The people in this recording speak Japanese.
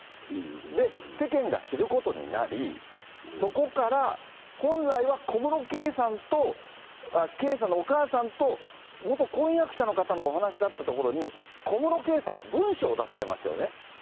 で、世間が知ることになり、そこから本来は小室圭さんと、圭さんのお母さんと元婚約者の方のお話だったところに、小室圭さんが文書を出されましたよね。